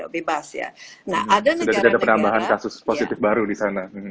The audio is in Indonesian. bebas ya nah ada juga ada penambahan kasus positif baru di sana